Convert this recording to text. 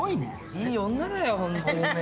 いい女だよ、本当に。